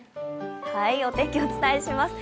お天気、お伝えします。